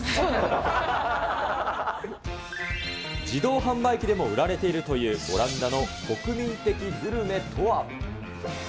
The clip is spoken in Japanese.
自動販売機でも売られているという、オランダの国民的グルメとは。